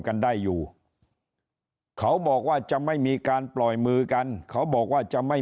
กันได้อยู่เขาบอกว่าจะไม่มีการปล่อยมือกันเขาบอกว่าจะไม่